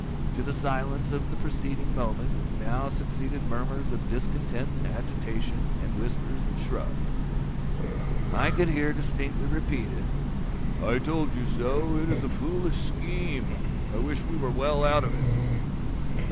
To the silence of the preceding moment, now succeeded murmurs of discontent and agitation, and whispers and shrugs. I could hear distinctly repeated, "I told you so,—it is a foolish scheme.—I wish we were well out of it."